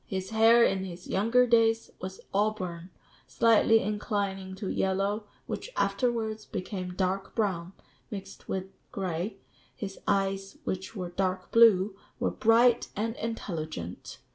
His hair in his younger days was auburn, slightly inclining to yellow, which afterwards became dark brown, mixed with gray; his eyes, which were dark blue, were bright and intelligent.